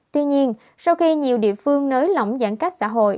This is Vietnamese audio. tuy nhiên sau khi nhiều địa phương nới lỏng giãn cách xã hội